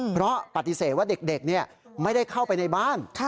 เพราะปฏิเสธว่าเด็กไม่ได้เข้าไปในบ้าน